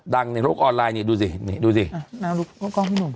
ดังในโลกออนไลน์ดูสิ